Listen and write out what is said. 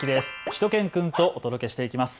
しゅと犬くんとお届けしていきます。